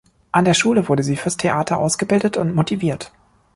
An der Schule wurde sie fürs Theater ausgebildet und motiviert.